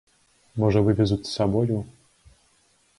Можа, вывезуць з сабою?